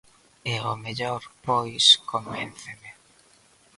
E ao mellor, pois, convénceme.